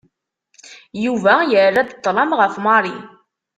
Yuba yerra-d ṭlem ɣef Mary.